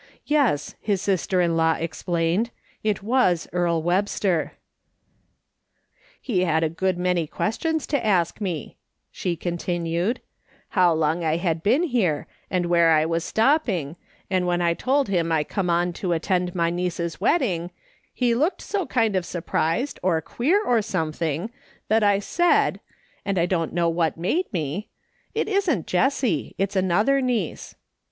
Yes, his sister in law explained, it was Earle Web ster. " He had a good many questions to ask me," she continued ;" how long I had been here, and where I was stopping, and when I told him I come on to attend my niece's wedding, he looked so kind of sur prised, or queer, or something, that I said — and I don't know what made me —* It isn't Jessie ; it's another niece.'